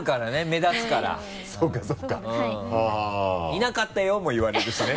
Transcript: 「いなかったよ」も言われるしね。